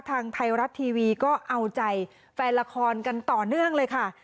ทางไทยรัฐทีวีก็เอาใจแฟนละครกันต่อเนื่องเลยค่ะ